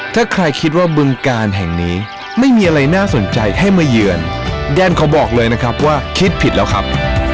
ถ้าใครคิดว่าบึงกาลแห่งนี้ไม่มีอะไรน่าสนใจให้มาเยือนแดนเขาบอกเลยนะครับว่าคิดผิดแล้วครับ